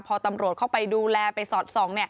พอตำรวจเข้าไปดูแลไปสอดส่อง